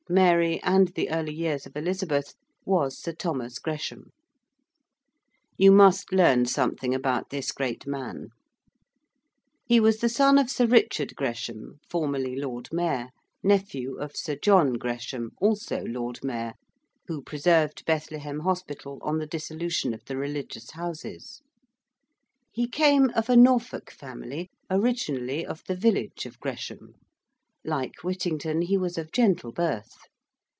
Mary, and the early years of Elizabeth, was Sir Thomas Gresham. You must learn something about this great man. He was the son of Sir Richard Gresham, formerly Lord Mayor: nephew of Sir John Gresham, also Lord Mayor (who preserved Bethlehem Hospital on the Dissolution of the Religious Houses): he came of a Norfolk family originally of the village of Gresham: like Whittington he was of gentle birth.